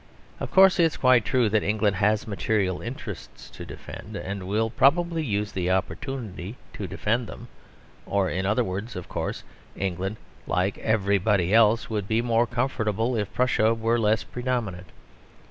Of course it is quite true that England has material interests to defend, and will probably use the opportunity to defend them: or, in other words, of course England, like everybody else, would be more comfortable if Prussia were less predominant.